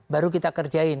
baru kita kerjain